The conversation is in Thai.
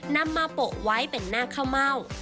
นำมาโปะไว้เป็นหน้าข้าวเม่า